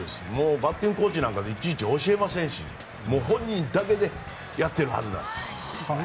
バッティングコーチなんていちいち教えませんし本人だけでやってるはずなんです。